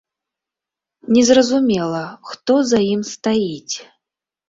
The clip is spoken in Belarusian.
Незразумела, хто за ім стаіць.